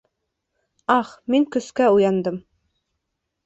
Ах, мин көскә уяндым...